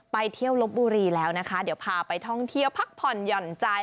ไปเที่ยวลบบุรีแล้วนะคะเดี๋ยวพาไปท่องเที่ยวพักผ่อนหย่อนใจ